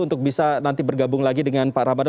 untuk bisa nanti bergabung lagi dengan pak ramadhan